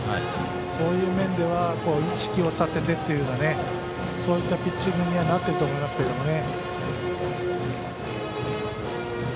そういう面では意識をさせてというようなそういったピッチングにはなっていると思いますけどね。